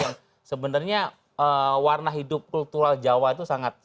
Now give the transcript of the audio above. yang sebenarnya warna hidup kultural jawa itu sangat